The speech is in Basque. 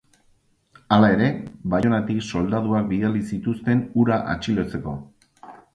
Hala ere, Baionatik soldaduak bidali zituzten hura atxilotzeko.